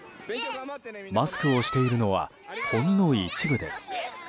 マスクをしているのはほんの一部です。